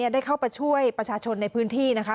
ได้เข้าไปช่วยประชาชนในพื้นที่นะคะ